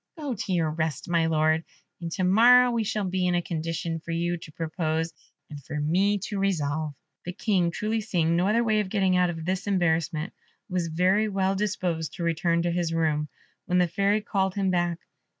Go to your rest, my Lord, and to morrow we shall be in a condition for you to propose, and for me to resolve." The King, truly seeing no other way of getting out of this embarrassment, was very well disposed to return to his room, when the Fairy called him back.